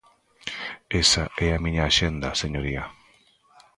Esa é a miña axenda, señoría.